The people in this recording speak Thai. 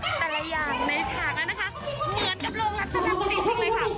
อยู่ในฉากนั้นนะคะเหมือนกับโรงรับจำนำของกคุณเลยค่ะ